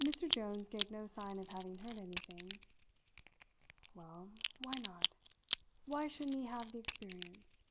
Mr Jones gave no sign of having heard anything. "Well, why not? Why shouldn't he have the experience?